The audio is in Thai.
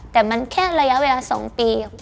แต่มันแค่ระยะเวลา๒ปีครับ